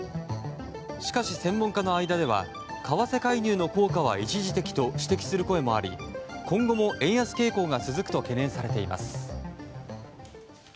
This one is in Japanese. しかし、専門家の間では為替介入の効果は一時的と指摘する声もあり今後も円安傾向が続くと懸念されています。